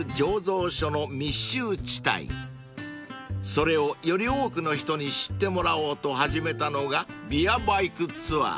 ［それをより多くの人に知ってもらおうと始めたのがビアバイクツアー］